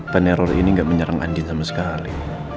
peneror ini tidak menyerang andi sama sekali